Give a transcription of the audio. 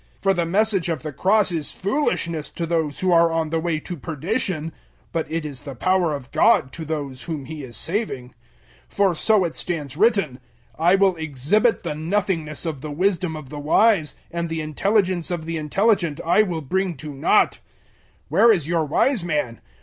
001:018 For the Message of the Cross is foolishness to those who are on the way to perdition, but it is the power of God to those whom He is saving. 001:019 For so it stands written, "I will exhibit the nothingness of the wisdom of the wise, and the intelligence of the intelligent I will bring to nought." 001:020 Where is your wise man?